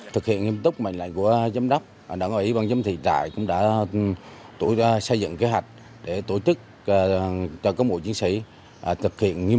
thực hiện nghiêm túc mệnh lệnh của giám đốc đảng ủy băng chấm thị trại cũng đã xây dựng kế hoạch để tổ chức cho công bộ chiến sĩ